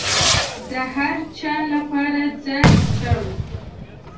د هرچا لپاره ځای سته.